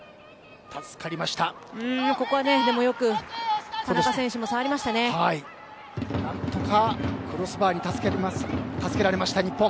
ここはよく田中選手も何とかクロスバーに助けられました日本。